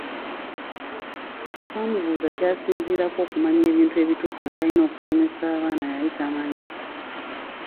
Bwe twamubuuza ky’asinziirako okumanya ebintu ebituufu by’alina okusomesa abaana yali tamanyi.